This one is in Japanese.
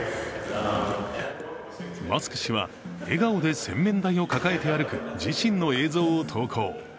マスク氏は笑顔で洗面台を抱えて歩く自身の映像を投稿。